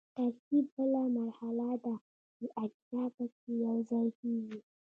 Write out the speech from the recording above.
ترکیب بله مرحله ده چې اجزا پکې یوځای کیږي.